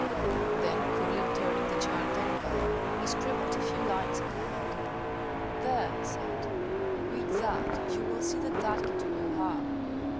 Then coolly turning the chart over, he scribbled a few lines upon it. "There," he said, "read that; you will see that that can do no harm."